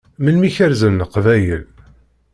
Melmi i kerrzen Leqbayel?